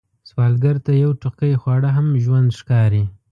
سوالګر ته یو ټوقی خواړه هم ژوند ښکاري